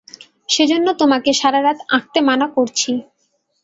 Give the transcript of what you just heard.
সেজন্য, তোমাকে সারা রাত আঁকতে মানা করছি।